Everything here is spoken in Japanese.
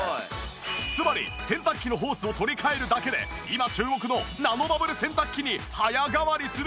つまり洗濯機のホースを取り換えるだけで今注目のナノバブル洗濯機に早変わりするというわけ！